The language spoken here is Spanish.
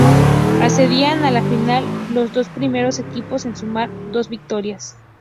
Accedían a la final los dos primeros equipos en sumar dos victorias.